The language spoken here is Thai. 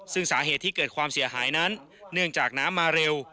ซึ่งสาเหตุที่เกิดความเสียหายนั้นเนื่องจากน้ำมาเร็ว